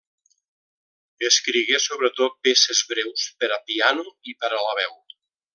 Escrigué sobretot peces breus per a piano i per a la veu.